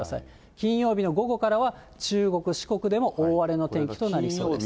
金曜日の午後からは中国、四国でも大荒れの天気となりそうです。